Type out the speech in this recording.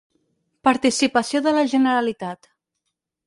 Participació de la Generalitat: